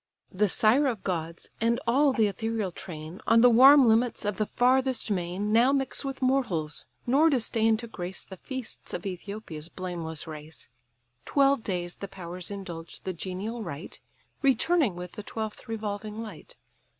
The sire of gods and all the ethereal train, On the warm limits of the farthest main, Now mix with mortals, nor disdain to grace The feasts of Æthiopia's blameless race, Twelve days the powers indulge the genial rite, Returning with the twelfth revolving light.